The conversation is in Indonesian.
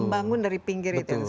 membangun dari pinggir itu